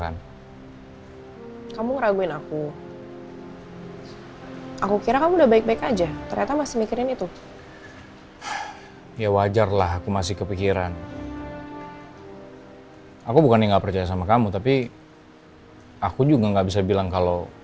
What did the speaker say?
aku juga gak bisa bilang kalau